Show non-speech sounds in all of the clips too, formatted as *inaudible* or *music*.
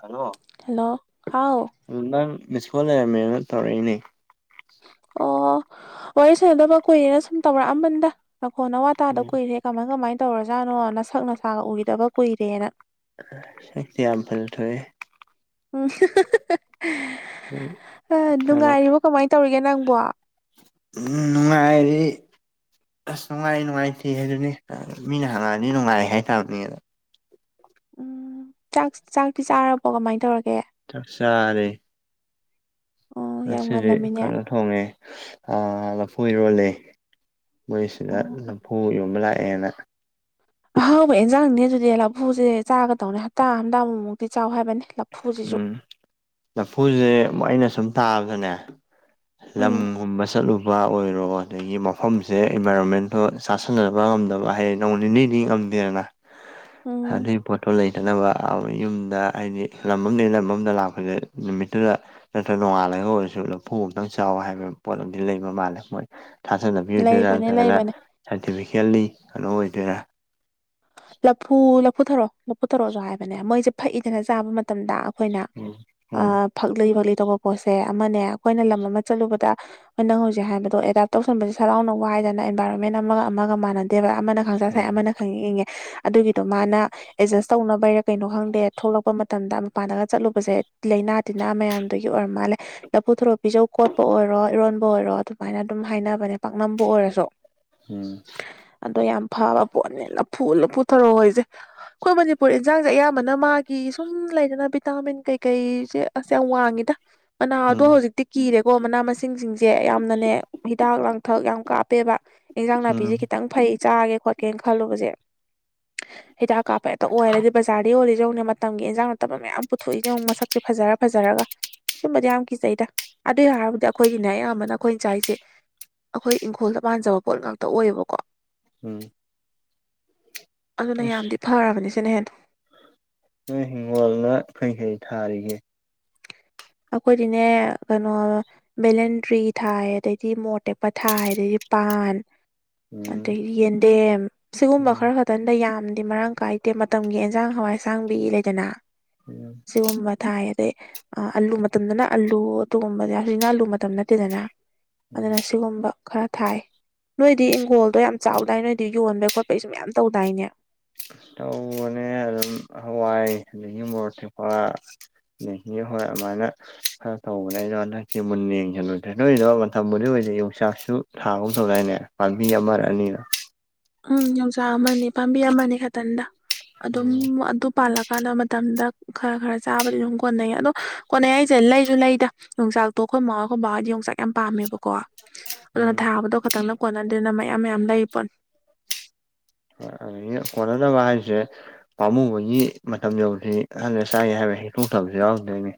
hello hello ꯍꯥꯎ ꯑꯗꯨ ꯅꯪ ꯃꯤꯁꯀꯣꯜ ꯂꯩꯔꯝꯃꯦꯅ ꯇꯧꯔꯛꯏꯅꯦ ꯑꯣ ꯋꯥꯔꯤ ꯁꯥꯟꯅꯗꯕ ꯀꯨꯏꯔꯦꯅ ꯁꯨꯝ ꯇꯧꯔꯛꯑꯝꯕꯅꯤꯗ ꯅꯈꯣꯟ ꯅꯋꯥ ꯇꯥꯗ ꯀꯨꯏꯔꯦ ꯀꯃꯥꯏ ꯀꯃꯥꯏ ꯇꯧꯔꯖꯥꯠꯅꯣ ꯅꯁꯛ ꯅꯁꯥꯒ ꯎꯈꯤꯗꯕ ꯀꯨꯏꯔꯦꯅ ꯁꯛꯇꯤ ꯌꯥꯝ ꯐꯖ ꯊꯣꯛꯑꯦ ꯎꯝ ꯑ ꯀꯩꯅꯣ ꯅꯨꯡꯉꯥꯏꯔꯤꯕꯣ ꯀꯃꯥꯏ ꯇꯧꯔꯤꯒꯦ ꯅꯪꯕꯣ ꯎꯝ ꯅꯨꯡꯉꯥꯏꯔꯤ ꯑꯁ ꯅꯨꯡꯉꯥꯏ ꯅꯨꯡꯉꯥꯏꯇꯦ ꯍꯥꯏꯗꯨꯅꯤ ꯃꯤꯅ ꯍꯪꯉꯛꯑꯗꯤ ꯅꯨꯡꯉꯥꯏ ꯍꯥꯏꯇꯥꯕꯅꯤ ꯑꯗ ꯎꯝ ꯆꯥꯛ ꯆꯥꯛꯇꯤ ꯆꯥꯔꯕꯣ ꯀꯃꯥꯏ ꯇꯧꯔꯒꯦ ꯆꯥꯛ ꯆꯥꯔꯦ ꯑꯣ ꯌꯥꯝ ꯉꯁꯤꯗꯤ ꯉꯜꯂꯝꯃꯤꯅꯦ ꯀꯩꯅꯣ ꯊꯣꯡꯉꯦ ꯑ ꯂꯐꯨ ꯏꯔꯣꯜꯂꯦ ꯃꯣꯏꯁꯤꯗ ꯑꯣ ꯂꯐꯨ ꯌꯣꯟꯕ ꯂꯥꯛꯑꯦꯅ ꯑꯍꯥꯎꯕ ꯏꯟꯖꯥꯡꯅꯤꯅꯦ ꯑꯗꯨꯗꯤ ꯂꯐꯨꯁꯦ ꯆꯥꯒꯗꯧꯅꯦ ꯍꯞꯇꯥ ꯑꯃꯗ ꯑꯃꯨꯛ ꯃꯨꯛꯇꯤ ꯆꯥꯎ ꯍꯥꯏꯕꯅꯦ ꯎꯝ ꯂꯐꯨꯁꯦ ꯑꯩꯅ ꯁꯨꯝ ꯇꯥꯕꯗꯅꯦ ꯎꯝ ꯂꯝꯒꯨꯝꯕ ꯆꯠꯂꯨ ꯕꯥ ꯑꯣꯏꯔꯣ ꯑꯗꯒꯤ ꯃꯐꯝꯁꯦ ꯏꯟꯚꯥꯏꯔꯣꯟꯃꯦꯟꯇꯣ ꯆꯥꯁꯟꯅꯕ ꯉꯝꯗꯕ ꯍꯥꯏꯌꯦ ꯅꯣꯡ ꯅꯤꯅꯤꯗꯤ ꯉꯝꯗꯦꯗꯅ ꯎꯝ ꯑꯗꯨꯢ ꯄꯣꯠꯇꯣ ꯂꯩꯇꯅꯕ ꯑꯥꯎ ꯌꯨꯝꯗ ꯍꯥꯏꯗꯤ ꯂꯝ ꯑꯝꯗꯩ ꯂꯝ ꯑꯃꯗ ꯂꯥꯛꯄꯖꯦ ꯅꯨꯃꯤꯠꯇꯨꯗ ꯅꯠꯇ꯭ꯔ ꯅꯣꯡꯉꯥꯜꯂꯒ ꯑꯣꯏꯔꯁꯨ ꯂꯐꯨ ꯑꯝꯇꯪ ꯆꯥꯎ ꯍꯥꯏꯕ ꯄꯣꯠ ꯑꯃꯗꯤ ꯂꯩꯕ ꯃꯥꯜꯂꯦ ꯃꯣꯏ ꯊꯥꯖꯅꯕꯤ ꯑꯣꯏꯗꯣꯏꯔꯥ ꯂꯩꯕꯅꯦ ꯅꯠꯇ꯭ꯔꯒꯅ ꯂꯩꯕꯅꯦ ꯁꯥꯏꯟꯇꯤꯐꯤꯀꯦꯜꯂꯤ ꯀꯩꯅꯣ ꯑꯣꯏꯗꯣꯏꯔ ꯂꯐꯨ ꯂꯐꯨ ꯊꯔꯣ ꯂꯐꯨ ꯊꯔꯣꯖꯨ ꯍꯥꯏꯕꯅꯦ ꯃꯣꯏꯁꯦ ꯐꯛꯏꯗꯅ ꯆꯥꯕ ꯃꯇꯝꯗ ꯈꯣꯏꯅ ꯎꯝ ꯎꯝ ꯑꯥ ꯐꯛꯂꯤ ꯐꯛꯂꯤ ꯇꯧꯕ ꯄꯣꯠꯁꯦ ꯑꯃꯅꯦ ꯑꯈꯣꯏꯅ ꯂꯝ ꯑꯃ ꯆꯠꯂꯨꯕꯗ ꯅꯪ ꯍꯧꯖꯤꯛ ꯍꯥꯏꯕꯗꯣ ꯑꯦꯗꯥꯞ ꯇꯧꯁꯟꯕꯖꯦ ꯁꯠ ꯂꯥꯎꯅ ꯋꯥꯏꯗꯅ ꯑꯦꯟꯚꯥꯏꯔꯣꯟꯃꯦꯟ ꯑꯃꯒ ꯑꯃꯒ ꯃꯥꯟꯅ ꯗꯦꯕ ꯑꯃꯅ ꯈꯪꯁꯥ ꯁꯥꯢ ꯎꯝ ꯑꯃꯅ ꯈꯪ ꯏꯪ ꯏꯪꯉꯦ ꯑꯗꯨꯒꯤꯗꯣ ꯃꯥꯅ ꯑꯦꯖꯁ ꯇꯧꯅꯕꯩꯔ ꯀꯩꯅꯣ ꯈꯪꯗꯦ ꯊꯣꯛꯂꯛꯄ ꯃꯇꯝꯗ ꯃꯄꯥꯟꯗꯒ ꯆꯠꯂꯨꯕꯁꯦ ꯂꯩꯅꯥ ꯇꯤꯟꯅꯥ ꯃꯌꯥꯝꯗꯨꯒꯤ ꯑꯣꯏꯔ ꯃꯥꯜꯂꯦ ꯂꯐꯨ ꯊꯔꯣ ꯄꯤꯖꯧ ꯀꯣꯠꯄ ꯑꯣꯏꯔꯣ ꯏꯔꯣꯟꯕ ꯑꯣꯏꯔꯣ ꯑꯗꯨꯃꯥꯏꯅ ꯑꯗꯨꯝ ꯍꯥꯏꯅꯕꯅꯦ ꯄꯥꯛꯅꯝꯕꯨ ꯑꯣꯏꯔꯁꯨ ꯎꯝ ꯑꯗꯣ ꯌꯥꯝ ꯐꯕ ꯄꯣꯠꯅꯦ ꯂꯐꯨ ꯂꯐꯨ ꯊꯔꯣ ꯍꯣꯏꯁꯦ ꯈꯣꯏ ꯃꯅꯤꯄꯨꯔ ꯏꯟꯖꯥꯡꯖꯦ ꯑꯌꯥꯝꯕꯅ ꯃꯥꯒꯤ ꯁꯨꯝ ꯂꯩꯗꯅ ꯚꯤꯇꯥꯃꯤꯟ ꯀꯩꯀꯩꯖꯦ ꯁꯦ ꯌꯥꯝ ꯋꯥꯡꯉꯤꯗ ꯃꯅꯥ ꯑꯗꯣ ꯎꯝ ꯍꯧꯖꯤꯛꯇꯤ ꯀꯤꯔꯦꯀꯣ ꯃꯅꯥ ꯃꯁꯤꯡꯁꯤꯡꯖꯦ ꯌꯥꯝꯅꯅꯦ ꯍꯤꯗꯥꯛ ꯂꯥꯡꯊꯛ ꯌꯥꯝ ꯀꯥꯞꯄꯦꯕ ꯏꯟꯖꯥꯡ ꯅꯥꯄꯤꯖꯦ ꯎꯝ ꯎꯝ ꯈꯤꯇꯪ ꯐꯩ ꯆꯥꯒꯦ ꯈꯣꯠꯀꯦ ꯈꯜꯂꯨꯕꯖꯦ ꯍꯤꯗꯥꯛ ꯀꯥꯞꯄ ꯍꯦꯛꯇ ꯑꯣꯏꯔꯗꯤ ꯕꯖꯥꯔꯗ ꯌꯣꯜꯂꯤꯖꯦ ꯌꯦꯡꯉꯨꯅꯦ ꯃꯇꯝꯒꯤ ꯏꯟꯖꯥꯡ ꯐꯠꯇꯕ ꯃꯌꯥꯝ ꯄꯨꯊꯣꯛꯏꯅꯦ ꯑꯃꯨꯛ ꯃꯁꯛꯁꯦ ꯐꯖꯔ ꯐꯖꯔꯒ ꯁꯨꯝꯕꯗꯤ ꯌꯥꯝ ꯈꯤꯖꯩꯗ ꯑꯗꯨ ꯍꯥꯏꯔꯕꯨꯗꯤ ꯑꯩꯈꯣꯏꯒꯤꯅꯦ ꯑꯌꯥꯝꯕꯅ ꯑꯩꯈꯣꯏ ꯆꯥꯏꯖꯦ ꯑꯈꯣꯏ ꯏꯪꯈꯣꯜꯗ ꯄꯥꯟꯖꯕ ꯄꯣꯠ ꯉꯥꯛꯇ ꯑꯣꯏꯌꯦꯕꯀꯣ ꯎꯝ ꯑꯗꯨꯅ ꯑꯁ ꯌꯥꯝꯗꯤ ꯐꯔꯕꯅꯤ ꯁꯤꯅꯦ ꯍꯦꯟ ꯅꯣꯏ ꯍꯤꯡꯒꯣꯜꯅ ꯀꯩꯀꯩ ꯊꯥꯔꯤꯒꯦ ꯑꯈꯣꯏꯗꯤꯅꯦ ꯀꯩꯅꯣ ꯚꯦꯂꯟꯗ꯭ꯔꯤ ꯊꯥꯏ ꯑꯗꯩꯗꯤ ꯃꯣꯔꯠ ꯇꯦꯛꯄ ꯊꯥꯏ ꯑꯗꯩꯗꯤ ꯄꯥꯟ ꯎꯝ ꯑꯗꯩꯗꯤ ꯌꯦꯟꯗꯦꯝ ꯁꯤꯒꯨꯝꯕ ꯎꯝ ꯈꯔ ꯈꯠ ꯇꯟꯗ ꯌꯥꯝꯗꯤ ꯃꯔꯥꯡ ꯀꯥꯏꯗꯦ ꯃꯇꯝꯒꯤ ꯑꯦꯟꯖꯥꯡ ꯍꯋꯥꯏꯁꯥꯡꯕꯤ ꯂꯩꯗꯅ ꯎꯝ ꯁꯤꯒꯨꯝꯕ ꯊꯥꯢ ꯑꯗꯩ ꯑꯂꯨ ꯃꯇꯝꯗꯅ ꯑꯂꯨ ꯑꯗꯨꯒꯨꯝꯕꯗꯤ ꯍꯧꯖꯤꯛꯅ ꯑꯜꯂꯨ ꯃꯇꯝ ꯅꯠꯇꯦꯗꯅ ꯎꯝ ꯑꯗꯨꯅ ꯁꯤꯒꯨꯝꯕ ꯈꯔ ꯊꯥꯏ ꯅꯣꯏꯗꯤ ꯏꯪꯈꯣꯜꯗꯣ ꯌꯥꯝ ꯆꯥꯎꯗꯥꯏ ꯅꯣꯏꯗꯤ ꯌꯣꯟꯕꯩ ꯈꯣꯠꯄꯩꯁꯨꯨꯝ ꯃ꯭ꯌꯥꯝ ꯇꯧꯗꯥꯏꯅꯦ ꯇꯧꯕꯅꯦ ꯑꯗꯨꯝ ꯍꯋꯥꯏ ꯑꯗꯒꯤ ꯃꯣꯔꯛ ꯇꯦꯛꯄ ꯗꯒꯤ ꯍꯣꯏ ꯑꯃꯥꯏꯅ ꯈꯔ ꯇꯧꯕꯅꯦ ꯑꯩꯗꯣ ꯍꯟꯗꯛꯇꯤ ꯃꯨꯟꯅ ꯌꯦꯡꯁꯤꯟꯂꯨꯗ꯭ꯔꯦ ꯅꯣꯏꯗꯣ ꯃꯇꯝꯕꯨꯗꯤ ꯑꯣꯏꯗꯤ ꯌꯣꯡꯆꯥꯛꯁꯨ ꯊꯥ ꯒꯨꯝ ꯇꯧꯗꯥꯏꯅꯦ ꯄꯥꯝꯕꯤ ꯑꯃꯔ ꯑꯅꯤꯔ ꯎꯝ ꯌꯣꯡꯆꯥꯛ ꯑꯃꯅꯤ ꯄꯥꯝꯕꯤ ꯑꯃꯅꯤ ꯈꯇꯟꯗ ꯑꯗꯨꯝ ꯎꯝ ꯑꯗꯨ ꯄꯥꯜꯂꯛ ꯀꯥꯟꯅ ꯃꯇꯝꯗ ꯈꯔ ꯈꯔ ꯆꯥꯕꯗꯤ ꯑꯗꯨꯝ ꯀꯣꯟꯅꯩ ꯑꯗꯣ ꯀꯣꯟꯅꯩ ꯍꯥꯏꯁꯦ ꯂꯩꯁꯨ ꯂꯩꯗ ꯌꯣꯡꯆꯥꯛꯇꯣ ꯈꯣꯏ ꯃꯥ ꯈꯣꯏ ꯕꯥ ꯑꯣꯢꯗꯤ ꯌꯣꯡꯆꯥꯛ ꯌꯥꯝ ꯄꯥꯝꯃꯦꯕꯀꯣ ꯑꯗꯨꯅ ꯎꯝ ꯊꯥꯕꯗꯣ ꯈꯛꯇꯪꯅ ꯀꯣꯟꯅꯗꯦꯅ ꯃꯌꯥꯝ ꯃꯌꯥꯝ ꯂꯩ ꯄꯣꯟ ꯑꯥꯒꯤ ꯀꯣꯟꯅꯗꯕ ꯍꯥꯏꯖꯦ ꯄꯥꯝꯃꯨꯕꯒꯤ ꯃꯇꯝ ꯌꯧꯗ꯭ꯔꯤ *unintelligible* ꯂꯩꯔ ꯆꯥꯏ ꯍꯥꯏꯕꯩ ꯍꯦꯛꯇꯣꯛꯇꯕꯁꯨ ꯌꯥꯎꯔꯝꯗꯣꯏꯃꯤ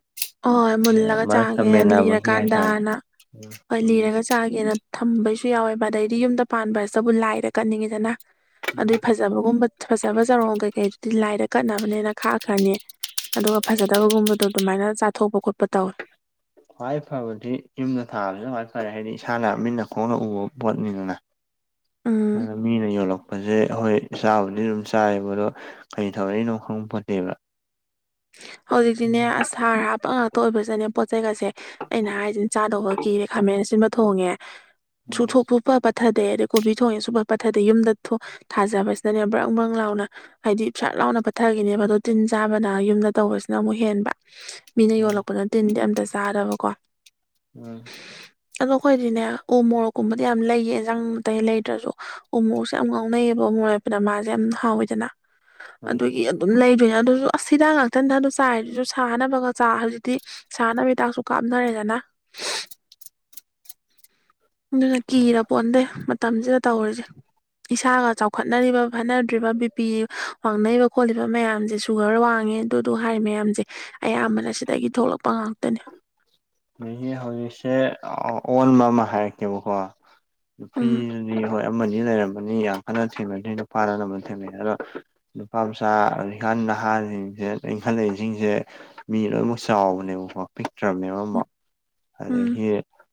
ꯑꯣꯏ ꯃꯨꯜꯂꯒ ꯆꯥꯒꯦ ꯍꯥꯏꯇꯥꯔꯦ ꯂꯤꯔꯀꯥꯟꯗꯅ ꯍꯣꯏ ꯎꯝ ꯂꯤꯔꯒ ꯆꯥꯒꯦꯅ ꯊꯝꯕꯩꯁꯨ ꯌꯥꯎꯋꯦꯕ ꯑꯗꯩꯗꯤ ꯌꯨꯝꯗ ꯄꯥꯟꯕꯥꯁꯇꯕꯨ ꯂꯥꯏꯗ ꯀꯠꯅꯤꯡꯉꯤꯗꯅ ꯎꯝ ꯑꯗꯨꯏ ꯐꯖ ꯐꯖꯕꯒꯨꯝꯕ ꯐꯖꯕ ꯆꯥꯔꯣꯡ ꯀꯩꯀꯩꯗꯨꯗꯤ ꯂꯥꯏꯗ ꯀꯠꯅꯕꯅꯦꯅ ꯈꯥꯛꯈ꯭ꯔꯅꯤ ꯑꯗꯨꯒ ꯐꯖꯗꯕꯒꯨꯝꯕꯗꯣ ꯑꯗꯨꯃꯥꯏꯅ ꯆꯥꯊꯣꯛꯄ ꯈꯣꯠꯄ ꯇꯧꯋꯦ ꯈ꯭ꯋꯥꯏ ꯐꯕꯗꯤ ꯌꯨꯝꯗ ꯊꯥꯕꯁꯤꯅ ꯈ꯭ꯋꯥꯏ ꯐꯔꯦ ꯍꯥꯏꯗꯤ ꯏꯁꯥꯅ ꯃꯤꯅ ꯈꯣꯡꯅ ꯎꯕ ꯄꯣꯠꯅꯤꯗꯅ ꯎꯝ ꯑ ꯃꯤꯅ ꯌꯣꯜꯂꯛ ꯐꯁꯦ ꯑꯩꯈꯣꯏ ꯆꯥꯕꯨꯗꯤ ꯑꯗꯨꯝ ꯆꯥꯏꯕ ꯑꯗꯣ ꯀꯔꯤ ꯊꯧꯔꯛꯏꯅꯣ ꯈꯪ ꯄꯣꯟꯇꯦꯕ ꯍꯧꯖꯤꯛꯇꯤꯅꯦ ꯑꯁ ꯍꯔꯥ ꯍꯥꯞꯄ ꯉꯥꯛꯇ ꯑꯣꯏꯕꯁꯤꯅꯅꯦ ꯄꯣꯠ ꯆꯩꯩꯒꯁꯦ ꯑꯩꯅ ꯍꯥꯏꯁꯤꯅꯦ ꯆꯥꯗꯧꯕꯒꯤ ꯀꯤꯔꯦ ꯈꯥꯃꯦꯟ ꯑꯁꯤꯟꯕ ꯊꯣꯡꯉꯦ ꯎꯝ ꯁꯨꯊꯣꯛꯄꯨ ꯁꯨꯡꯄꯠ ꯄꯠꯊꯗꯦ ꯑꯗꯩ ꯀꯣꯕꯤ ꯊꯣꯡꯉꯦ ꯁꯨꯡꯄꯠ ꯄꯠꯊꯗꯦ ꯌꯨꯝꯗ ꯊꯥꯖꯕꯁꯤꯗꯅꯦ ꯕ꯭ꯔꯪ ꯕ꯭ꯔꯪ ꯂꯥꯎꯅ ꯍꯥꯏꯗꯤ ꯁꯠ ꯂꯥꯎꯅ ꯄꯠꯊꯔꯒꯤꯅꯦꯕ ꯑꯗꯣ ꯇꯤꯟ ꯆꯥꯕꯅ ꯌꯨꯝꯗ ꯇꯧꯕꯁꯤꯅ ꯑꯃꯨꯛ ꯍꯦꯟꯕ ꯃꯤꯅ ꯎꯝ ꯌꯣꯜꯂꯛꯄꯅ ꯇꯤꯟꯗꯤ ꯑꯝꯇ ꯆꯥꯗꯕꯀꯣ ꯎꯝ ꯑꯗꯣ ꯑꯩꯈꯣꯏꯗꯤꯅꯦ ꯎ ꯃꯣꯔꯣꯛꯀꯨꯝꯕꯗꯤ ꯌꯥꯝ ꯂꯩꯌꯦ ꯌꯦꯟꯖꯥꯡ ꯑꯩ ꯂꯩꯇ꯭ꯔꯁꯨ ꯎ ꯃꯣꯔꯣꯛꯁꯦ ꯌꯥꯝ ꯉꯥꯎꯅꯩꯌꯦꯕ ꯃꯣꯔꯣꯛ ꯃꯥꯁꯦ ꯌꯥꯝ ꯍꯥꯎꯋꯤꯗꯅ ꯎꯝ ꯑꯗꯨꯒꯤ ꯑꯗꯨꯝ ꯂꯩꯕꯅꯦ ꯑꯗꯨꯁꯨ ꯑꯁ ꯍꯤꯗꯥꯛ ꯉꯥꯛꯇꯅꯤꯗꯗ ꯑꯗꯨ ꯆꯥꯏꯔꯤꯗꯨꯁꯨ ꯁꯥꯅꯕꯒ ꯆꯥ ꯗꯤ ꯁꯥꯟꯅ ꯍꯤꯗꯥꯛꯁꯨ ꯀꯥꯞꯅꯔꯦꯗꯅ ꯑꯗꯨꯅ ꯀꯤꯔ ꯄꯣꯟꯗꯦ ꯃꯇꯝꯁꯤꯗ ꯇꯧꯔꯤꯁꯦ ꯏꯁꯥꯒ ꯆꯥꯎꯈꯠꯅꯔꯤꯕ ꯐꯠꯅꯗ꯭ꯔꯤꯕ ꯕꯤꯄꯤ ꯋꯥꯡꯅꯔꯤꯕ ꯈꯣꯠꯂꯤꯕ ꯃꯌꯥꯝꯁꯤꯁꯨ ꯁꯨꯒꯔ ꯋꯥꯡꯉꯦ ꯑꯗꯨꯗꯣ ꯍꯥꯏ ꯃꯌꯥꯝꯁꯦ ꯑꯌꯥꯝꯕꯅ ꯁꯤꯗꯒꯤ ꯊꯣꯛꯂꯛꯄ ꯉꯥꯛꯇꯅꯦ ꯅꯣꯏꯒꯤ ꯍꯧꯖꯤꯛꯁꯦ ꯑꯣꯟꯕ ꯑꯃ ꯍꯥꯏꯔꯛꯀꯦꯕꯀꯣ ꯅꯨꯄꯤ ꯎꯝ ꯍꯣꯏ ꯑꯃꯅꯤ ꯂꯩꯔꯝꯃꯅꯤ ꯌꯥꯝ ꯀꯟꯅ ꯊꯦꯡꯅꯗ꯭ꯔꯤ ꯅꯨꯄꯥꯅ ꯑꯅꯝꯕꯅ ꯊꯦꯡꯅꯩ ꯑꯗꯣ ꯅꯨꯄꯥ ꯃꯆꯥ ꯍꯧꯖꯤꯛꯀꯟ ꯅꯍꯥꯁꯤꯡꯁꯦ ꯏꯪꯈꯠꯂꯛꯏꯁꯤꯡꯁꯦ ꯃꯤ ꯂꯣꯏꯅꯃꯛ ꯆꯥꯎꯕꯅꯦꯕꯀꯣ ꯄꯤꯛꯇ꯭ꯔꯕꯅꯦꯕ ꯑꯃꯨꯛ ꯎꯝ ꯑꯗꯒꯤ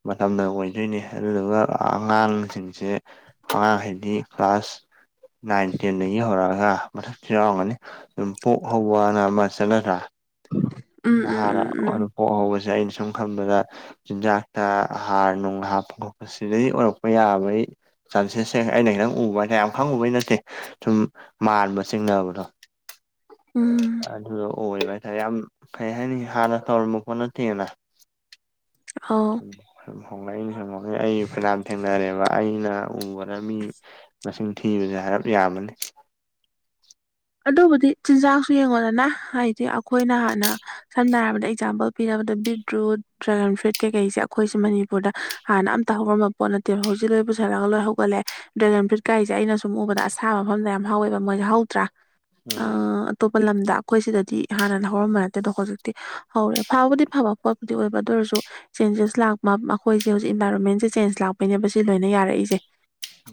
ꯃꯇꯝꯗ ꯑꯣꯏꯗꯣꯏꯅꯤ ꯑꯗꯨꯗꯨꯒ ꯑꯉꯥꯡꯁꯤꯡꯁꯦ ꯑꯉꯥꯡ ꯍꯥꯏꯗꯤ ꯀ꯭ꯂꯥꯁ ꯅꯥꯏꯟ ꯇꯦꯟꯗꯒꯤ ꯍꯧꯔꯛꯑꯒ ꯃꯊꯛꯁꯨ ꯌꯥꯎꯔꯝꯒꯅꯤ ꯑꯗꯨꯝ ꯄꯣꯛ ꯍꯧꯕꯅ ꯑꯃ ꯆꯠꯅꯗ꯭ꯔꯥ ꯑ ꯅꯍꯥꯔ ꯄꯣꯛꯍꯧꯕꯁꯦ ꯑꯩꯅ ꯁꯨꯝ ꯈꯟꯕꯗ ꯆꯤꯟꯖꯥꯛꯇ ꯍꯥꯔ ꯅꯨꯡ ꯍꯥꯞꯄ ꯈꯣꯠꯄ ꯁꯤꯗꯒꯤ ꯑꯣꯏꯔꯛꯄ ꯌꯥꯕꯩ ꯆꯥꯟꯁꯦꯁꯁꯦ ꯑꯩꯅ ꯈꯤꯇꯪ ꯎꯕ ꯍꯥꯏꯇꯔꯦ ꯌꯥꯝ ꯈꯪꯉꯨꯕꯩ ꯅꯠꯇꯦ ꯁꯨꯝ ꯃꯥꯟꯕ ꯆꯤꯡꯅꯕꯗꯣ ꯎꯝ ꯎꯝ ꯑꯗꯨꯗ ꯑꯣꯏꯕ ꯍꯥꯏꯇꯥꯔꯦ ꯌꯥꯝ ꯀꯩ ꯍꯥꯏꯅꯤ ꯍꯥꯟꯅ ꯇꯧꯔꯝꯝꯕ ꯄꯣꯠ ꯅꯠꯇꯦꯅ ꯑꯧ ꯁꯨꯝ ꯍꯣꯡꯂꯛꯏꯅꯦ ꯁꯨꯝ ꯍꯣꯉꯛ ꯑꯩ ꯐꯅꯥꯝ ꯊꯦꯡꯅꯔꯦꯕ ꯑꯩꯅ ꯎꯕꯅ ꯃꯤ ꯃꯁꯤꯡ ꯊꯤꯕꯁꯦ ꯍꯥꯏꯔꯞ ꯌꯥꯝꯃꯅꯤ ꯑꯗꯨꯕꯨꯗꯤ ꯆꯤꯟꯖꯥꯛꯁꯨ ꯌꯦꯡꯉꯣꯗꯅ ꯍꯥꯏꯗꯤ ꯑꯩꯈꯣꯏꯅ ꯍꯥꯟꯅ ꯁꯝꯅ ꯍꯥꯏꯔꯕꯗ ꯑꯦꯛꯖꯥꯝꯄꯜ ꯄꯤꯅꯕꯗ ꯕꯤꯗ꯭ꯔꯨꯠ ꯗ꯭ꯔꯥꯒꯟ ꯐ꯭ꯔꯨꯏꯠ ꯀꯩꯀꯩꯁꯦ ꯑꯩꯈꯣꯏꯁꯦ ꯃꯅꯤꯄꯨꯔꯗ ꯍꯥꯟꯅ ꯑꯝꯇ ꯍꯧꯔꯝꯕ ꯄꯣꯠꯇꯦꯕ ꯍꯧꯖꯤꯛ ꯂꯣꯏ ꯄꯨꯁꯟꯔꯒ ꯂꯣꯏ ꯍꯧꯒꯠꯂꯦ ꯗ꯭ꯔꯦꯒꯟ ꯐ꯭ꯔꯨꯏꯠ ꯀꯥꯏꯁꯦ ꯑꯩꯅ ꯁꯨꯝ ꯎꯕꯗ ꯑꯁꯥ ꯃꯐꯝꯗ ꯌꯥꯝ ꯍꯧꯋꯦꯕ ꯃꯣꯏꯁꯦ ꯍꯧꯗ꯭ꯔꯥ ꯑ ꯎꯝ ꯑꯇꯣꯞꯄ ꯂꯝꯗ ꯑꯩꯈꯣꯏ ꯁꯤꯗꯗꯤ ꯍꯥꯟꯅꯅ ꯍꯧꯔꯝꯕ ꯅꯠꯇꯦ ꯑꯗꯣ ꯍꯧꯖꯤꯛꯇꯤ ꯍꯧꯔꯦ ꯐꯕꯨꯗꯤ ꯐꯕ ꯄꯣꯠꯄꯨꯗꯤ ꯑꯣꯏꯕ ꯑꯗꯨ ꯑꯣꯏꯔꯁꯨ ꯆꯦꯟꯖꯦꯁ ꯂꯥꯛꯄ ꯃꯈꯣꯏꯁꯦ ꯍꯧꯖꯤꯛ ꯏꯟꯚꯥꯏꯔꯣꯟꯃꯦꯟꯁꯦ ꯆꯦꯟꯖ ꯂꯥꯛꯄꯩꯅꯦꯕ ꯁꯤ ꯂꯣꯏꯅ ꯌꯥꯔꯛꯏꯁꯦ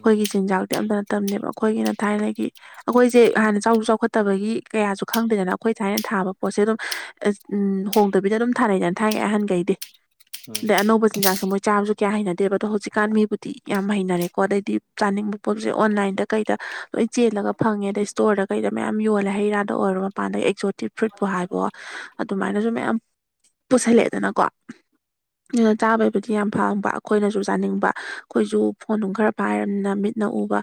ꯎꯝ ꯆꯤꯟꯖꯥꯛꯇꯤ ꯑꯝꯇꯅ ꯇꯝꯅꯦꯕ ꯑꯩꯈꯣꯏꯒꯤꯅ ꯊꯥꯏꯅꯒꯤ ꯑꯩꯈꯣꯏꯁꯦ ꯍꯥꯟꯅꯗꯤ ꯆꯥꯎ ꯆꯥꯎꯈꯠꯇꯕꯒꯤ ꯀꯌꯥꯁꯨ ꯈꯪꯗꯦꯗꯅ ꯑꯩꯈꯣꯏ ꯊꯥꯏꯅ ꯊꯥꯕ ꯄꯣꯠꯁꯦ ꯑꯗꯨꯝ ꯍꯣꯡꯗꯕꯤꯗ ꯑꯗꯨꯝ ꯊꯥꯔꯛꯏꯗꯅ ꯊꯣꯢꯅꯩ ꯑꯍꯟꯒꯩꯗꯤ ꯎꯝ ꯑꯗꯩ ꯑꯅꯧꯕ ꯆꯤꯟꯖꯥꯛꯁꯨ ꯃꯣꯏ ꯆꯥꯕꯁꯨ ꯀꯌꯥ ꯍꯩꯅꯗꯦꯕ ꯑꯗꯣ ꯍꯧꯖꯤꯛꯀꯥꯟ ꯃꯤꯕꯨꯗꯤ ꯌꯥꯝ ꯍꯩꯅꯔꯦꯀꯣ ꯑꯗꯩꯗꯤ ꯆꯥꯅꯤꯡꯕ ꯄꯣꯠꯁꯦ ꯑꯣꯟꯂꯥꯏꯟꯗ ꯀꯩꯗ ꯂꯣꯏ ꯆꯦꯜꯂꯒ ꯐꯪꯉꯦ ꯑꯗꯩ ꯏꯁꯇꯣꯔꯗ ꯀꯩꯗ ꯃꯌꯥꯝ ꯌꯣꯜꯂꯦ ꯍꯩꯔꯥꯗ ꯑꯣꯏꯔꯣ ꯃꯄꯥꯟꯗ ꯑꯦꯛꯖꯣꯇꯤꯛ ꯐ꯭ꯔꯨꯏꯠꯄꯨ ꯍꯥꯏꯕꯑꯣ ꯑꯗꯨꯃꯥꯏꯅꯖꯨ ꯃꯌꯥꯝ ꯄꯨꯁꯜꯂꯛꯑꯦꯗꯅꯀꯣ ꯗꯨꯅ ꯆꯥꯕꯩꯕꯨꯗꯤ ꯌꯥꯝ ꯐꯪꯕ ꯑꯩꯈꯣꯏꯅꯖꯨ ꯆꯥꯅꯤꯡꯕ ꯑꯩꯈꯣꯏꯖꯨ ꯐꯣꯟꯅꯨꯡ ꯈꯔ ꯄꯥꯏꯔꯝꯅ ꯃꯤꯠꯅ ꯎꯕ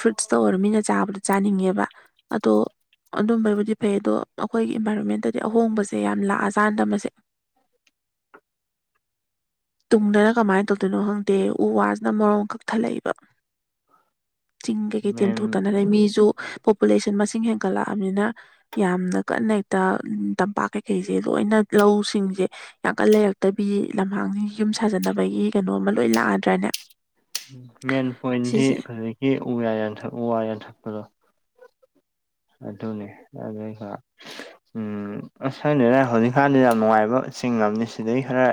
ꯐ꯭ꯔꯨꯠꯁꯇ ꯑꯣꯏꯔꯣ ꯃꯤꯅ ꯆꯥꯕꯗꯣ ꯆꯥꯅꯤꯡꯉꯦꯕ ꯑꯗꯣ ꯑꯗꯨꯝꯕꯩꯕꯨꯗꯤ ꯐꯩ ꯑꯗꯣ ꯑꯩꯈꯣꯏꯒꯤ ꯏꯟꯚꯥꯏꯔꯣꯟꯃꯦꯟꯇꯗꯤ ꯑꯍꯣꯡꯕꯖꯦ ꯌꯥꯝ ꯂꯥꯛꯑ ꯆꯥꯟꯗ ꯃꯁꯦ *inaudible* ꯇꯨꯡꯗꯅ ꯀꯃꯥꯏꯅ ꯇꯧꯗꯣꯏꯅꯣ ꯈꯪꯗꯦ ꯎ ꯋꯥꯖꯤꯅ ꯃꯔꯣꯡ ꯀꯛꯊꯠꯂꯛꯏꯕ ꯆꯤꯡ ꯀꯩꯀꯩ ꯃꯦꯟ ꯇꯦꯝꯊꯣꯛꯇꯅ ꯂꯩ ꯃꯤꯖꯨ ꯄꯣꯄꯨꯂꯦꯁꯟ ꯃꯁꯤꯡ ꯍꯦꯟꯀꯠꯂꯛꯑꯕꯅꯤꯅ ꯌꯥꯝꯅ ꯀꯟꯅ ꯍꯦꯛꯇ ꯎꯝ ꯇꯝꯄꯥꯛ ꯀꯩꯀꯩꯖꯦ ꯂꯣꯏꯅ ꯂꯧꯁꯤꯡꯖꯦ ꯌꯥꯡꯀꯟ ꯂꯩꯔꯛꯇꯕꯤ ꯂꯝꯍꯥꯡꯅꯤ ꯌꯨꯝ ꯁꯥꯖꯟꯅꯕꯒꯤ ꯀꯩꯅꯣꯃ ꯂꯣꯏ ꯂꯥꯛꯑꯗ꯭ꯔꯅꯦ ꯃꯦꯟ ꯄꯣꯏꯟꯗꯤ ꯁꯤꯁꯦ ꯍꯧꯖꯤꯛꯀꯤ ꯎ ꯌꯥ ꯌꯥꯟꯊꯠ ꯎ ꯋꯥ ꯌꯥꯟꯊꯠꯄꯗꯣ ꯑꯗꯨꯅꯦ ꯑꯗꯨꯒ ꯎꯝ ꯑꯁ ꯈꯪꯗꯦꯗ ꯍꯧꯖꯤꯛꯀꯥꯟꯗꯤ ꯌꯥꯝ ꯅꯨꯡꯉꯥꯏꯕ ꯆꯤꯡꯉꯝꯅꯤ ꯁꯤꯗꯩ ꯈꯔ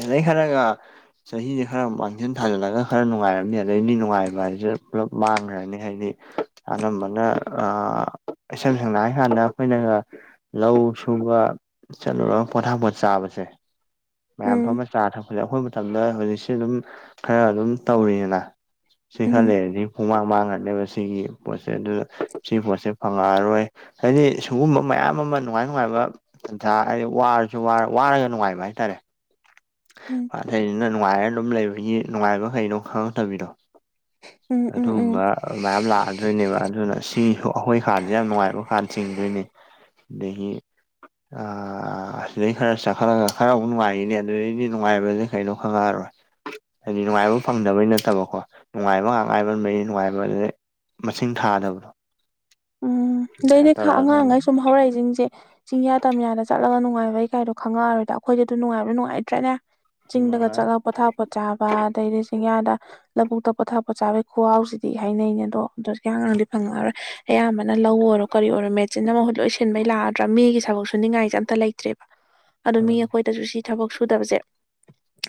ꯁꯤꯗꯩꯩ ꯈꯔꯒ ꯆꯍꯤꯖꯦ ꯈꯔ ꯃꯥꯡꯖꯤꯟ ꯊꯥꯖꯤꯜꯂꯒ ꯈꯔ ꯅꯨꯡꯉꯥꯏꯔꯝꯅꯤ ꯑꯗꯩꯗꯤ ꯅꯨꯡꯉꯥꯏꯕ ꯍꯥꯏꯖꯤꯗ ꯄꯨꯂꯞ ꯃꯥꯡꯒ꯭ꯔꯅꯤ ꯍꯥꯏꯗꯤ ꯑꯅꯝꯕꯅ ꯑꯥ ꯏꯁꯝ ꯁꯦꯡꯅ ꯍꯥꯏ ꯀꯥꯟꯗ ꯑꯩꯈꯣꯏꯅꯒ ꯂꯧ ꯁꯨꯕ ꯆꯠꯂꯨꯔꯒ ꯄꯣꯊꯥꯄꯣꯠ ꯆꯥꯕꯁꯦ ꯃꯌꯥꯝ ꯎꯝ ꯐꯝꯃ ꯆꯥ ꯊꯛꯄꯖꯦ ꯑꯩꯈꯣꯏ ꯃꯇꯝꯗ ꯍꯧꯖꯤꯛꯁꯦ ꯑꯗꯨꯝ ꯈꯔ ꯑꯗꯨꯝ ꯇꯧꯔꯤꯗꯅ ꯁꯤ ꯈꯔ ꯎꯝ ꯂꯩꯔꯗꯤ ꯄꯨꯡꯃꯥꯡ ꯃꯥꯡꯉꯅꯦꯕ ꯁꯤꯒꯤ ꯄꯣꯠꯁꯦ ꯑꯗꯨꯅ ꯁꯤ ꯄꯣꯠꯁꯦ ꯐꯪꯉꯛꯑꯔꯣꯏ ꯍꯥꯏꯗꯤ ꯁꯨꯒꯨꯝꯕ ꯃꯌꯥꯝ ꯑꯃ ꯅꯨꯡꯉꯥꯏ ꯅꯨꯡꯉꯥꯏꯔꯕ ꯁꯤꯟꯊꯥ ꯍꯥꯏꯗꯤ ꯋꯥꯔꯖꯨ ꯋꯥꯔ ꯋꯥꯔꯒ ꯅꯨꯡꯉꯥꯏꯕ ꯍꯥꯏꯇꯥꯔꯦ ꯎꯝ ꯑꯊꯩꯅꯤꯅ ꯅꯨꯡꯉꯥꯏꯔ ꯑꯗꯨꯝ ꯂꯩꯕꯒꯤ ꯅꯨꯡꯉꯥꯏꯕ ꯀꯩꯅꯣ ꯈꯪꯉꯛꯇꯕꯤꯗꯣ ꯎꯝ ꯎꯝ ꯑꯗꯨꯝꯕ ꯎꯝ ꯃꯌꯥꯝ ꯂꯥꯛꯑꯗꯣꯏꯅꯦꯕ ꯑꯗꯨꯅ ꯁꯤ ꯑꯩꯈꯣꯏ ꯀꯥꯟꯖꯦ ꯌꯥꯝ ꯅꯨꯡꯉꯥꯏꯕ ꯀꯥꯟ ꯆꯤꯡꯗꯣꯏꯅꯤ ꯑꯗꯒꯤ ꯑꯥ ꯑꯗꯩ ꯈꯔ ꯆꯈꯠꯂꯒ ꯈꯔꯃꯨꯛ ꯅꯨꯡꯉꯥꯏꯔꯤꯅꯦ ꯑꯗꯩꯩꯗꯤ ꯅꯨꯡꯉꯥꯏꯕꯖꯦ ꯀꯩꯅꯣ ꯈꯪꯉꯛꯑꯔꯣꯏ ꯍꯥꯏꯗꯤ ꯅꯨꯡꯉꯥꯏꯕ ꯐꯪꯗꯕꯩ ꯅꯠꯇꯕꯀꯣ ꯅꯨꯡꯉꯥꯏꯕ ꯉꯥꯛ ꯉꯥꯏꯃꯟꯕꯩ ꯅꯨꯡꯉꯥꯏꯕꯖꯦ ꯃꯁꯤꯡ ꯊꯥꯗꯕꯗꯣ ꯎꯝ ꯒꯤꯇꯥꯔ ꯑꯗꯩꯗꯤ ꯈ ꯇꯧꯔꯒ ꯑꯉꯥꯡꯉꯩ ꯁꯨꯝ ꯍꯧꯔꯛꯏꯖꯤꯡꯖꯦ ꯆꯤꯡꯌꯥ ꯇꯝꯌꯥꯗ ꯆꯠꯂꯒ ꯅꯨꯡꯉꯥꯏꯕꯩ ꯀꯥꯏꯗꯣ ꯈꯪꯉꯛꯑꯔꯣꯏꯗ ꯑꯩꯈꯣꯏꯗꯤ ꯑꯗꯨ ꯅꯨꯡꯉꯥꯏꯕꯗꯨ ꯅꯨꯡꯉꯥꯏꯇ꯭ꯔꯅꯦ ꯆꯤꯡꯗꯒ ꯅꯨꯡꯉꯥꯏ ꯆꯠꯂ ꯄꯣꯊꯥꯄꯣꯠ ꯆꯥꯕ ꯑꯗꯩꯗꯤ ꯆꯤꯡꯌꯥꯗ ꯂꯕꯨꯨꯛꯛꯇ ꯄꯣꯊꯥꯄꯣꯠ ꯆꯥꯕꯩ ꯈꯨꯍꯥꯎꯁꯤꯗꯤ ꯍꯥꯏꯅꯩꯩꯅꯦ ꯑꯗꯣ ꯍꯧꯖꯤꯛꯀꯤ ꯑꯉꯥꯡꯗꯤ ꯐꯪꯉꯛꯑꯔꯣꯏ ꯑꯌꯥꯝꯕꯅ ꯅ ꯂꯧ ꯑꯣꯏꯔꯣ ꯀꯔꯤ ꯑꯣꯏꯔꯣ ꯃꯦꯆꯤꯟꯅ ꯃꯍꯨꯠ ꯂꯣꯏ ꯁꯤꯟꯕꯩ ꯂꯥꯛꯑꯗ꯭ꯔꯥ ꯃꯤꯒꯤ ꯊꯕꯛ ꯁꯨꯅꯤꯉꯥꯏꯖꯤ ꯑꯝꯇ ꯂꯩꯇ꯭ꯔꯦꯕ ꯑꯗꯨ ꯃꯤ ꯎꯝ ꯑꯩꯈꯣꯏꯗꯁꯨ ꯁꯤ ꯊꯕꯛ ꯁꯨꯗꯕꯖꯦ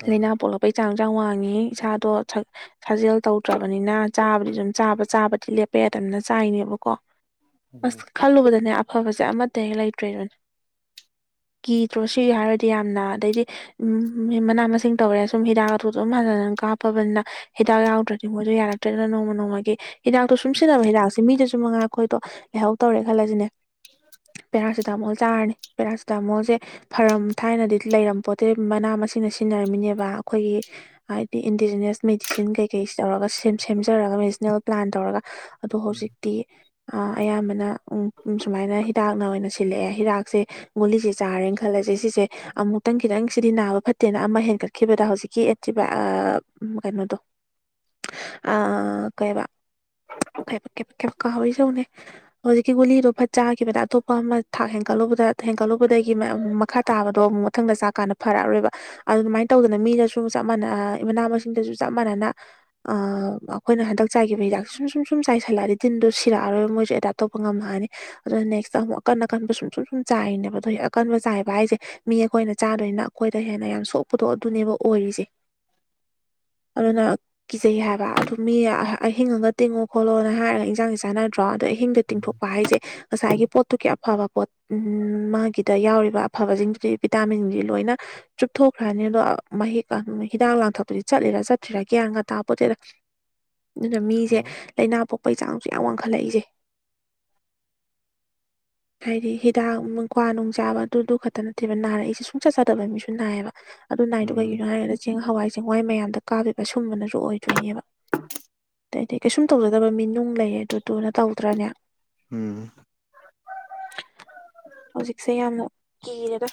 ꯂꯥꯏꯅꯥ ꯄꯣꯛꯂꯛꯄꯩ ꯆꯥꯡ ꯆꯥꯡ ꯋꯥꯡꯉꯤ ꯏꯁꯥꯗꯣ ꯊꯛ ꯁꯥꯖꯦꯜ ꯇꯧꯗ꯭ꯔꯕꯅꯤꯅ ꯆꯥꯕꯗꯤ ꯑꯗꯨꯝ ꯆꯥꯕ ꯆꯥꯕꯗꯤ ꯂꯦꯞꯄ ꯌꯥꯗꯕꯅꯤꯅ ꯆꯥꯏꯅꯦꯕꯀꯣ ꯑꯁ ꯈꯜꯂꯨꯕꯗꯅꯦ ꯑꯐꯕꯖꯦ ꯑꯃꯠꯇ ꯍꯦꯛ ꯂꯩꯇ꯭ꯔꯦꯗꯨꯅꯤ ꯀꯤꯗ꯭ꯔꯣ ꯁꯤꯒꯤ ꯍꯥꯏꯔꯨꯔꯗꯤ ꯌꯥꯝꯅ ꯑꯗꯩꯗꯤ ꯎꯝ ꯃꯤ ꯃꯅꯥ ꯃꯁꯤꯡ ꯇꯧꯔꯦ ꯁꯨꯝ ꯍꯤꯗꯥꯛ ꯍꯥꯥꯊꯨꯗ ꯗꯨꯝ ꯍꯟꯖꯟ ꯍꯟꯖꯟ ꯀꯥꯞꯄꯕꯅꯤꯅ ꯍꯤꯗꯥꯛ ꯌꯥꯎꯗ꯭ꯔꯗꯤ ꯃꯣꯏꯗꯣ ꯌꯥꯔꯛꯇ꯭ꯔꯦꯗꯨꯅ ꯅꯣꯡꯃ ꯅꯣꯡꯃꯒꯤ ꯍꯤꯗꯥꯛꯇꯣ ꯁꯨꯝ ꯁꯤꯟꯅꯕ ꯍꯤꯗꯥꯛꯇꯣ ꯃꯤꯗꯖꯨ ꯃꯉꯥꯏ ꯑꯩꯈꯣꯏꯗꯣ ꯂꯥꯏꯍꯧ ꯇꯧꯔꯦ ꯈꯜꯂꯖꯤꯅꯦ ꯄꯦꯔꯥꯁꯤꯇꯥꯃꯣꯜ ꯆꯥꯔꯅꯤ ꯄꯦꯔꯥꯁꯤꯇꯥꯃꯣꯜꯖꯦ ꯐꯔꯝ ꯊꯥꯏꯅꯗꯤ ꯂꯩꯔꯝꯄꯣꯠꯇꯦ ꯃꯅꯥ ꯃꯁꯤꯡꯅ ꯁꯤꯖꯤꯟꯅꯔꯝꯃꯤꯅꯦꯕ ꯑꯩꯈꯣꯏꯒꯤ ꯍꯥꯏꯗꯤ ꯏꯟꯗꯤꯖꯤꯅ꯭ꯌꯁ ꯃꯦꯗꯤꯁꯤꯟ ꯀꯩꯀꯩꯁꯤ ꯇꯧꯔꯒ ꯁꯦꯝ ꯁꯦꯝꯖꯔꯒ ꯃꯦꯗꯤꯁꯤꯅꯦꯜ ꯄ꯭ꯂꯥꯟ ꯇꯧꯔꯒ ꯑꯗꯣ ꯍꯧꯖꯤꯛꯇꯤ ꯑꯥ ꯑꯌꯥꯝꯕꯅ ꯎꯝ ꯎꯝ ꯁꯨꯃꯥꯏꯅ ꯍꯤꯗꯥꯛꯅ ꯑꯣꯏꯅ ꯁꯤꯜꯂꯛꯑꯦ ꯍꯤꯗꯥꯛꯁꯦ ꯃꯨꯂꯤꯁꯦ ꯆꯥꯔꯦꯟ ꯈꯜꯂꯁꯦ ꯁꯤꯁꯦ ꯑꯃꯨꯛꯇꯪ ꯈꯤꯇꯪ ꯁꯤꯗꯤ ꯅꯥꯕ ꯐꯠꯇꯦꯅ ꯑꯃ ꯍꯦꯟꯒꯠꯈꯤꯕꯗ ꯍꯧꯖꯤꯛꯀꯤ ꯑꯦꯟꯇꯤꯕꯥ ꯑꯥ ꯀꯩꯅꯣꯗꯣ ꯑꯥ ꯀꯩꯕ *inaudible* ꯀꯦꯕ ꯀꯦꯕ ꯀꯦꯕ ꯀꯥꯎꯔꯤꯖꯦ ꯌꯦꯡꯉꯨꯅꯦ ꯍꯧꯖꯤꯛꯀꯤ ꯒꯨꯂꯤꯗꯣ ꯐꯠ ꯆꯥꯈꯤꯕꯗ ꯑꯇꯣꯞꯄ ꯑꯃ ꯊꯥꯛ ꯍꯦꯟꯀꯠꯂꯨꯕꯗ ꯍꯦꯟꯀꯠꯂꯨꯕꯗꯒꯤ ꯃꯌꯥꯝ ꯃꯈꯥ__ ꯇꯥꯕꯗꯣ ꯑꯃꯨꯛ ꯃꯊꯪꯗ ꯆꯥ ꯀꯥꯟꯗ ꯐꯔꯛꯑꯔꯣꯏꯕ ꯑꯗꯨꯃꯥꯏꯟ ꯇꯧꯗꯅ ꯃꯤꯅꯁꯨ ꯆꯞ ꯃꯥꯟꯅ ꯃꯅꯥ ꯃꯁꯤꯡꯗꯁꯨ ꯆꯞ ꯃꯥꯟꯅꯅ ꯑꯥ ꯑꯈꯣꯏꯅ ꯍꯟꯗꯛ ꯆꯥꯏꯈꯤꯕ ꯍꯤꯗꯥꯛꯁꯦ ꯁꯨꯝ ꯁꯨꯝ ꯁꯨꯝ ꯆꯥꯏꯁꯜꯂꯛꯑꯗꯤ ꯇꯤꯟꯗꯣ ꯁꯤ ꯔꯛꯑꯔꯣꯏ ꯃꯣꯏꯁꯦ ꯑꯦꯗꯥꯞ ꯇꯧꯕ ꯉꯝꯍꯅꯤ ꯑꯗꯨ ꯅꯦꯛꯁꯇ ꯑꯃꯨꯛ ꯑꯀꯟ ꯑꯀꯟꯕ ꯁꯨꯝ ꯁꯨꯝ ꯁꯨꯝ ꯆꯥꯏꯅꯦꯕ ꯑꯗꯣ ꯍꯦꯛ ꯑꯀꯟꯕ ꯆꯥꯏꯕ ꯍꯥꯏꯁꯦ ꯃꯤ ꯑꯩꯈꯣꯏꯅ ꯆꯥꯗꯣꯏꯅ ꯑꯩꯈꯣꯏꯗ ꯍꯦꯟꯅ ꯌꯥꯝ ꯁꯣꯛ ꯄꯗꯣ ꯑꯗꯨꯅꯦꯕ ꯑꯣꯏꯔꯤꯁꯦ ꯑꯗꯨꯅ ꯀꯤꯖꯩ ꯍꯥꯏꯕ ꯑꯗꯨ ꯃꯤ ꯑꯍ ꯑꯍꯤꯡ ꯑꯒ ꯇꯤꯡꯉꯣ ꯈꯣꯠꯂꯣꯅ ꯍꯥꯏꯔꯒ ꯏꯟꯖꯥꯡꯖꯤ ꯆꯥꯟꯅꯗ꯭ꯔꯣ ꯑꯗꯣ ꯑꯍꯤꯡꯗ ꯇꯤꯡꯊꯣꯛꯄ ꯍꯥꯏꯁꯦ ꯉꯁꯥꯏꯒꯤ ꯄꯣꯠꯇꯨꯒꯤ ꯑꯐꯕ ꯄꯣꯠ ꯎꯝ ꯃꯥꯒꯤꯗ ꯌꯥꯎꯔꯤꯕ ꯑꯐꯕꯖꯤꯡꯗꯨꯗꯤ ꯚꯤꯇꯥꯃꯤꯟꯗꯤ ꯂꯣꯏꯅ ꯆꯨꯞꯊꯣꯛꯈ꯭ꯔꯅꯤ ꯑꯗꯣ ꯑꯥ ꯃꯍꯤꯛꯑ ꯃꯍꯤ ꯍꯤꯗꯥꯛ ꯂꯥꯡꯊꯛꯇꯨꯗꯤ ꯆꯠꯂꯤꯔꯥ ꯆꯠꯇ꯭ꯔꯤꯔꯥ ꯒ꯭ꯌꯥꯟꯒ ꯇꯥꯄꯣꯠꯇꯦꯗ *inaudible* ꯑꯗꯨꯅ ꯃꯤꯁꯦ ꯂꯩꯅꯥ ꯄꯣꯛꯄꯩ ꯆꯥꯡꯁꯨ ꯌꯥꯝ ꯋꯥꯡꯈꯠꯂꯛꯏꯁꯦ *inaudible* ꯍꯥꯏꯗꯤ ꯍꯤꯗꯥꯛ ꯃꯀ꯭ꯋꯥ ꯅꯨꯡ ꯆꯥꯕ ꯑꯗꯨꯗꯨ ꯈꯛꯇ ꯅꯠꯇꯦꯕ ꯅꯥꯔꯛꯏꯁꯦ ꯁꯨꯡꯆꯥ ꯆꯥꯗꯕ ꯃꯤꯁꯨ ꯅꯥꯏꯌꯦꯕ ꯑꯗꯨ ꯅꯥꯏꯗꯣ ꯎꯝ ꯀꯩꯒꯤꯅꯣ ꯍꯥꯏꯔ ꯆꯦꯡ ꯍꯋꯥꯏ ꯆꯦꯡꯋꯥꯏ ꯃꯌꯥꯝꯗ ꯀꯥꯕꯤꯕ ꯁꯨꯝꯕꯅꯁꯨ ꯑꯣꯏꯗꯣꯏꯅꯦꯕ ꯑꯗꯩꯗꯤ ꯀꯩꯁꯨꯝ ꯇꯧꯖꯗꯕ ꯃꯤ ꯅꯨꯡ ꯂꯩ ꯑꯗꯨꯗꯨꯅ ꯇꯧꯗ꯭ꯔꯅꯦ ꯎꯝ ꯍꯧꯖꯤꯛꯁꯦ ꯌꯥꯝꯅ ꯀꯤꯔꯦꯗ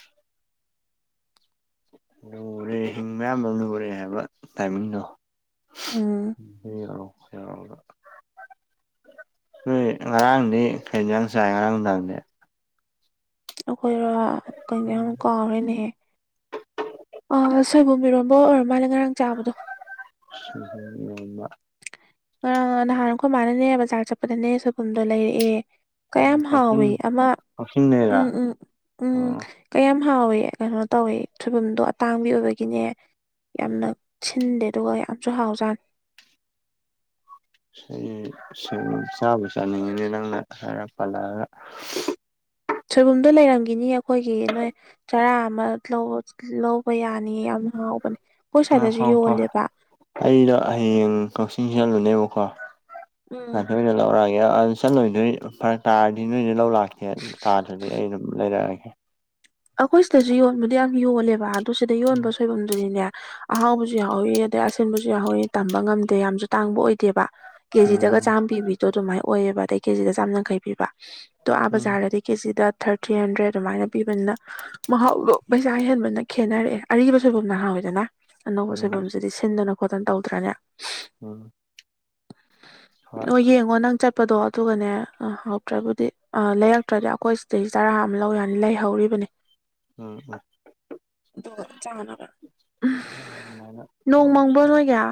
ꯂꯨꯔꯦ ꯍꯤꯡꯃ ꯌꯥꯝꯃ ꯂꯨꯔꯦ ꯍꯥꯏꯕ ꯇꯥꯏꯃꯤꯡꯗꯣ ꯑꯥ ꯍꯦꯔꯥꯎ ꯍꯦꯔꯥꯎꯗ ꯅꯣꯏ ꯉꯔꯥꯡꯗꯤ ꯈꯩꯖꯥꯡ ꯆꯥꯏ ꯉꯔꯥꯡ ꯅꯨꯡꯗꯥꯡꯗꯤ ꯑꯩꯈꯣꯏꯔꯣ ꯀꯩꯅꯣ ꯌꯥꯝ ꯀꯥꯎꯔꯦꯅꯦꯍꯦ ꯑꯥꯎ ꯁꯣꯏꯕꯨꯝ ꯏꯔꯣꯟꯕ ꯑꯣꯏꯔ ꯃꯥꯜꯂꯦ ꯉꯔꯥꯡ ꯆꯥꯕꯗꯣ ꯁꯣꯏꯕꯨꯝ ꯏꯔꯣꯟꯕ ꯉꯔꯥ ꯅꯍꯥꯟ ꯑꯈꯣꯏ ꯃꯥꯅꯅꯦ ꯕꯖꯥꯔ ꯆꯠꯄꯗꯅꯦ ꯁꯣꯏꯕꯨꯝꯗꯣ ꯂꯩꯔꯛꯑꯦ ꯎꯝ ꯀꯌꯥꯝ ꯍꯥꯎꯏ ꯀꯛꯆꯤꯡ ꯑꯃ ꯎꯝ ꯀꯛꯆꯤꯡꯗꯩꯔꯥ ꯎꯝ ꯎꯝ ꯑꯣ ꯀꯌꯥꯝ ꯍꯥꯎꯋꯤ ꯀꯩꯅꯣ ꯇꯧꯋꯦ ꯁꯣꯏꯕꯨꯝꯗꯣ ꯑꯇꯥꯡꯕꯤ ꯑꯣꯏꯕꯒꯤꯅꯦ ꯌꯥꯝꯅ ꯎꯝ ꯁꯤꯟꯗꯦ ꯑꯗꯨꯒ ꯌꯥꯝꯁꯨ ꯍꯥꯎꯖꯥꯅꯤ ꯁꯤꯟ ꯁꯤꯟ ꯆꯥꯕꯨ ꯆꯥꯅꯤꯡꯉꯤꯅꯦ ꯅꯪꯅ ꯍꯥꯏꯔꯛ ꯄꯜꯂꯛꯑꯒ ꯁꯣꯏꯕꯨꯝꯗꯣ ꯂꯩꯔꯝꯒꯤꯅꯤ ꯑꯩꯈꯣꯏꯒꯤ ꯅꯣꯏ__ ꯆꯔꯥ ꯑꯃ ꯂꯧꯕ ꯂꯧꯕ ꯌꯥꯅꯤ ꯌꯥꯝ ꯍꯥꯎ__ ꯑꯥ ꯍꯥꯎ ꯀꯣ ꯑꯩꯗꯣ ꯍꯌꯦꯡ ꯀꯛꯆꯤꯡ ꯆꯜꯂꯨꯅꯦꯕꯀꯣ ꯎꯝ ꯑꯗ ꯑꯣꯏꯅ ꯂꯧꯔꯛꯑꯦ ꯌꯥ ꯆꯠꯂꯣꯏꯗꯣꯏ ꯐꯔꯛ ꯇꯥꯔꯗꯤ ꯅꯣꯏꯗ ꯂꯧ ꯂꯥꯛꯀꯦ ꯇꯥꯗ꯭ꯔꯗꯤ ꯑꯩ ꯑꯗꯨꯝ ꯂꯩꯔꯛꯑꯒꯦ ꯑꯩꯈꯣꯏ ꯁꯤꯗꯁꯨ ꯌꯣꯟꯕꯗꯤ ꯌꯥꯝ ꯌꯣꯜꯂꯦꯕ ꯑꯗꯨ ꯁꯤꯗ ꯌꯣꯟꯕ ꯁꯣꯏꯕꯝꯗꯨꯗꯤꯅꯦ ꯑꯍꯥꯎꯕꯁꯨ ꯌꯥꯎꯍꯧꯋꯤ ꯑꯗꯩ ꯑꯁꯤꯟꯕꯁꯨ ꯌꯥꯎꯍꯧꯋꯤ ꯇꯝꯕ ꯉꯝꯗꯦ ꯌꯥꯝꯁꯨ ꯇꯥꯡꯕ ꯑꯣꯏꯗꯦꯕ ꯀꯦꯖꯤꯗꯒ ꯎꯝ ꯆꯥꯝꯃ ꯄꯤꯕꯤꯗꯣ ꯑꯗꯨꯃꯥꯏꯅ ꯑꯣꯏꯌꯦꯕ ꯑꯗꯩ ꯀꯦꯖꯤꯗ ꯆꯥꯝ ꯌꯥꯡꯈꯩ ꯄꯤꯕ ꯑꯗꯣ ꯑꯥ ꯎꯝ ꯕꯖꯥꯔꯗꯗꯤ ꯀꯦꯖꯤꯗ ꯊꯥꯔꯇꯤ ꯍꯟꯗ꯭ꯔꯦꯠ ꯑꯗꯨꯃꯥꯏꯅ ꯄꯤꯕꯅꯤꯅ ꯃꯍꯥꯎꯗꯣ ꯄꯩꯁꯥ ꯍꯦꯟꯕꯅ ꯈꯦꯠꯅꯔꯛꯑꯦ ꯑꯔꯤꯕ ꯁꯣꯏꯕꯨꯝꯅ ꯍꯥꯎꯏꯗꯅ ꯑꯅꯧꯕ ꯎꯝ ꯁꯣꯏꯕꯨꯝꯁꯤꯗꯤ ꯁꯤꯟꯗꯅ ꯈꯣꯠꯇꯅ ꯇꯧꯗ꯭ꯔꯅꯦ ꯎꯝ ꯍꯣꯏ ꯑꯣ ꯌꯦꯡꯉꯣ ꯅꯪ ꯆꯠ ꯆꯣꯠꯄꯗꯣ ꯑꯗꯨꯒꯅꯦ ꯍꯧꯗ꯭ꯔꯕꯨꯗꯤ ꯂꯩꯔꯛꯇ꯭ꯔꯗꯤ ꯑꯩꯈꯣꯏ ꯁꯤꯗꯩꯁꯤ ꯆꯔꯥ ꯑꯃ ꯂꯧ ꯌꯥꯅꯤ ꯂꯩꯍꯧꯔꯤꯕꯅꯦ ꯎꯝ ꯎꯝ ꯑꯗꯨꯒ ꯆꯅꯕ ꯎꯝ ꯑꯗꯨꯃꯥꯏꯅ ꯅꯣꯡ ꯃꯪꯕ꯭ꯔꯣ ꯅꯣꯏꯒꯌꯥ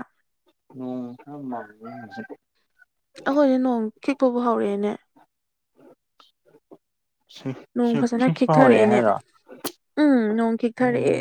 ꯎꯝ ꯈꯔ ꯃꯪꯉꯦ ꯉꯁꯤꯗꯤ ꯑꯩꯈꯣꯏꯗꯤ ꯅꯣꯡ ꯈꯤꯛꯄꯕꯨ ꯍꯧꯔꯛꯑꯦꯅꯦ ꯁꯤ ꯅꯣꯡ ꯁꯤ ꯐꯖꯅ ꯁꯤ ꯍꯧꯔꯛꯑꯦ ꯈꯤꯛꯊꯔꯛꯑꯦꯅꯦ ꯍꯥꯏꯔꯣ ꯎꯝ ꯅꯣꯡ ꯈꯤꯛꯊꯔꯛꯑꯦ ꯎꯝ